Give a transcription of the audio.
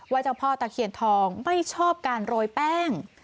เจ้าพ่อตะเคียนทองไม่ชอบการโรยแป้ง